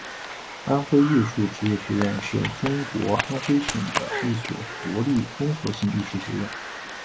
安徽艺术职业学院是中国安徽省的一所国立综合性艺术学院。